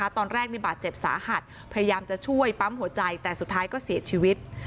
ตอนแรกบาดเจ็บสาหัสพยายามจะช่วยปั๊มหัวใจแต่สุดท้ายก็เสียชีวิต